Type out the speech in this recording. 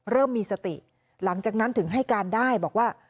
เริ่มมีสติหลังจากนั้นถึงให้การได้บอกว่า